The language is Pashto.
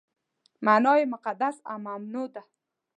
معنا یې مقدس او ممنوع ده.